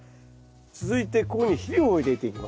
続いてここに肥料を入れていきます。